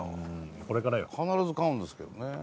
これからよ必ず買うんですけどね